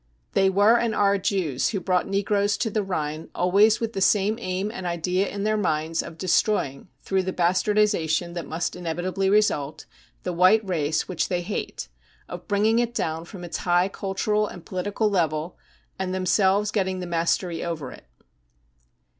" They were and are Jews who brought negroes to the Rhine, always with the same aim and idea in their minds of destroying, through the bastardisa tion that must inevitably result, the white race which they hate — of bringing it down from its high cultural and political level and themselves getting the mastery over it.